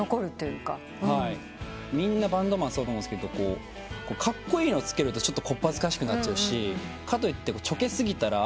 みんなバンドマンそうだと思うんですけどカッコイイのつけるとちょっとこっぱずかしくなっちゃうしかといってちょけ過ぎたら後で後悔する。